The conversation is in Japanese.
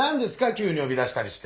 急によび出したりして。